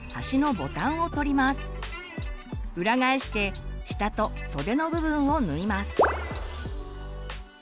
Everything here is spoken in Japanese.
裏返して下と袖の部分を縫います。